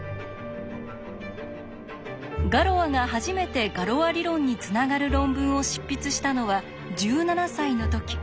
ガロアが初めてガロア理論につながる論文を執筆したのは１７歳の時。